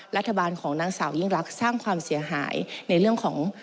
รัฐบาลของนางสาวยิ่งรักสร้างความเสียหายในเรื่องของ